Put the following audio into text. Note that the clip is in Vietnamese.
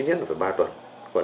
ít nhất là phải ba tuần